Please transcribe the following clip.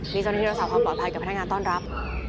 นี่จะเป็นที่เราสาวความปลอดภัยจากพนักงานต้อนรับ